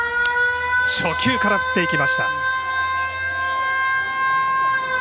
初球から振っていきました。